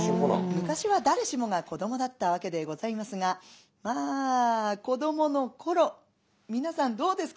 昔は誰しもが子どもだったわけでございますがまあ子どもの頃皆さんどうですか？